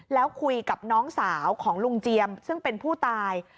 แล้วคุยกับน้องสาวของลุงเจียมซึ่งเป็นผู้ตาย